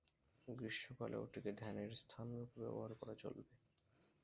গ্রীষ্মকালে ওটিকে ধ্যানের স্থানরূপে ব্যবহার করা চলবে।